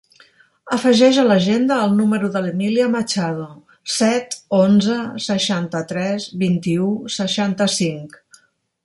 Afegeix a l'agenda el número de l'Emília Machado: set, onze, seixanta-tres, vint-i-u, seixanta-cinc.